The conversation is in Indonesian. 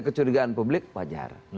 kecurigaan publik wajar